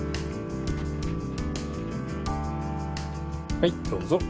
・はいどうぞ。